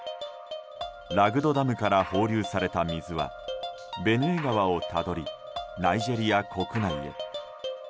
ラグドダムから放流された水はベヌエ川を渡りナイジェリア国内へ。